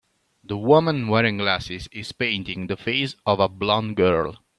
the woman wearing glasses is painting the face of the blond girl.